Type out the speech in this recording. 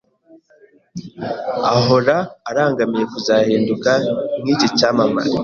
ahora arangamiye kuzahinduka nk’iki cyamamare